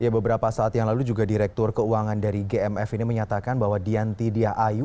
beberapa saat yang lalu juga direktur keuangan dari gmf ini menyatakan bahwa dianti dia ayu